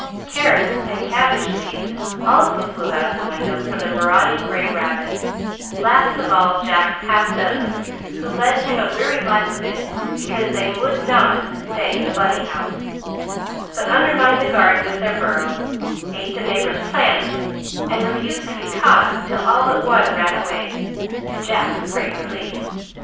Carrots and cabbage leaves also flew out of the window for the marauding gray rabbit, last of all Jack's half dozen, who led him a weary life of it because they would not stay in the Bunny house, but undermined the garden with their burrows, ate the neighbors' plants, and refused to be caught till all but one ran away, to Jack's great relief.